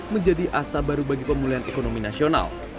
menjadi asa baru bagi pemulihan ekonomi nasional